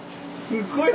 すごい。